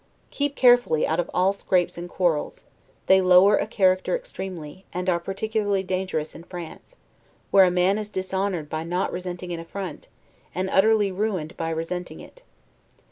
Keep carefully out of all scrapes and quarrels. They lower a character extremely; and are particularly dangerous in France; where a man is dishonored by not resenting an affront, and utterly ruined by resenting it.